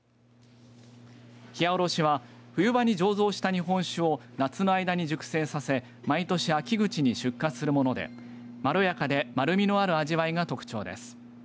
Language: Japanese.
ひやおろしは冬場に醸造した日本酒を夏の間に熟成させ、毎年秋口に出荷するもので、まろやかで丸みのある味わいが特徴です。